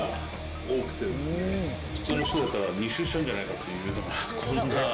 普通の人だったら２周しちゃうんじゃないかっていうようなこんな。